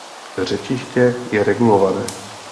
Řečiště je regulované.